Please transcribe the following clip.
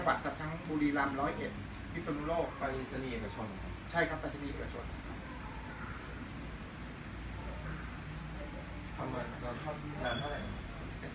เอภครับตางครัวหรือบางครัวจังหวัด